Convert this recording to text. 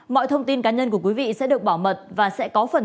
mọi thông tin cá nhân của quý vị sẽ được bảo mật và sẽ có phần